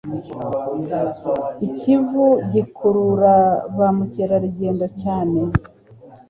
ikivu gikurura ba mukerarugendo cyane